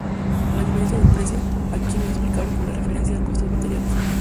La diferencia del precio aquí no es explicable por referencia al costo de materiales.